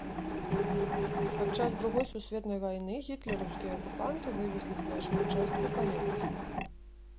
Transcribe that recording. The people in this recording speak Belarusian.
Падчас другой сусветнай вайны гітлераўскія акупанты вывезлі значную частку калекцыі.